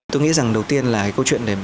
tôi nghĩ rằng đầu tiên là câu chuyện